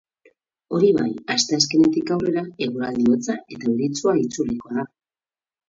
Hori bai, asteazkenetik aurrera eguraldi hotza eta euritsua itzuliko da.